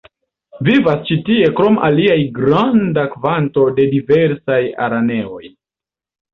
Vivas ĉi tie krom aliaj granda kvanto de diversaj araneoj.